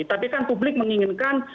tapi kan publik menginginkan